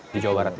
di jawa barat ya